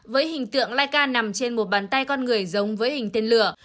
với hình tượng laika nằm trên một bàn tay con người giống với hình tên lửa